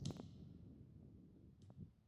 څنګه کولی شم ښه کتاب ولولم